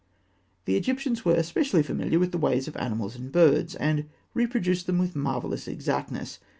The Egyptians were especially familiar with the ways of animals and birds, and reproduced them with marvellous exactness.